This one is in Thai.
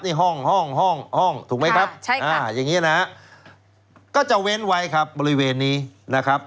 นี่ห้องห้องห้องถูกไหมครับอย่างนี้นะฮะก็จะเว้นไว้ครับบริเวณนี้นะครับ